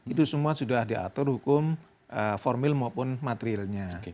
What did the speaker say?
itu semua sudah diatur hukum formil maupun materialnya